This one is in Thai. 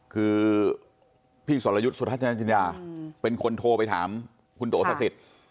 คือพี่สวรรยุทธสุทธาชนาจินยาเป็นคนโทรไปถามคุณโตสักสิทธิ์